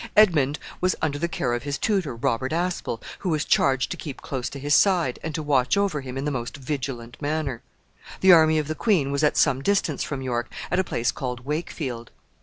Edmund was under the care of his tutor, Robert Aspell, who was charged to keep close to his side, and to watch over him in the most vigilant manner. The army of the queen was at some distance from York, at a place called Wakefield.